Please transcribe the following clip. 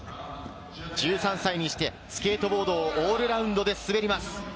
１３歳にしてスケートボードをオールラウンドで滑ります。